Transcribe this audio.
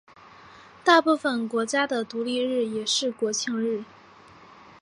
大部分国家的独立日也是国庆日。